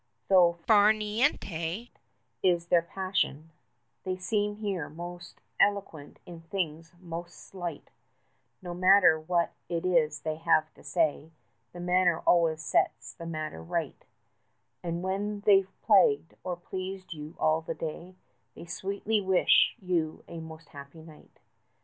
Though far niente is their passion, they Seem here most eloquent in things most slight; No matter what it is they have to say, The manner always sets the matter right: 20 And when they've plagued or pleased you all the day, They sweetly wish you 'a most happy night'.